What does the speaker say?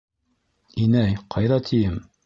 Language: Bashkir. Инәй, ҡайҙа тием?